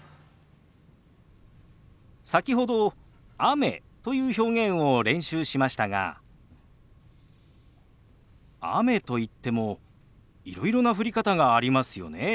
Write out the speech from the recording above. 先ほど「雨」という表現を練習しましたが雨といってもいろいろな降り方がありますよね。